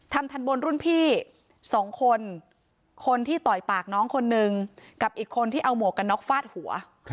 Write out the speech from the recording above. ทันบนรุ่นพี่สองคนคนที่ต่อยปากน้องคนนึงกับอีกคนที่เอาหมวกกันน็อกฟาดหัว